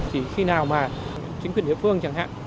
chỉ khi nào mà chính quyền địa phương chẳng hạn